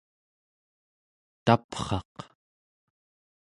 tapraq